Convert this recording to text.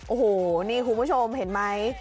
โอ้โหนี่คุณผู้ชมเห็นไหม